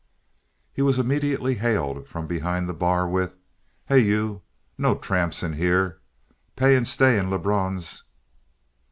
He was immediately hailed from behind the bar with: "Hey, you. No tramps in here. Pay and stay in Lebrun's!"